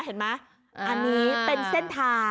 อันนี้เป็นเส้นทาง